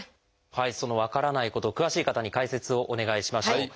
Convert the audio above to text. その分からないこと詳しい方に解説をお願いしましょう。